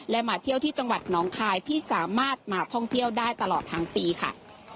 และมาเที่ยวที่จังหวัดน้องคายที่สามารถมาท่องเที่ยวได้ตลอดทั้งปีค่ะ